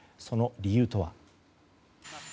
その理由とは。